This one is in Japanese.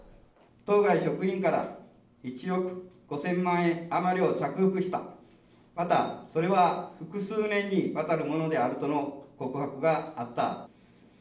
当該職員から、１億５０００万円余りを着服した、またそれは、複数年にわたるものであるとの告白があった。